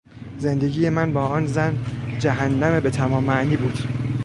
زندگی من با آن زن جهنم به تمام معنی بود.